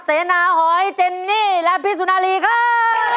เสนาหอยเจนนี่และพี่สุนารีครับ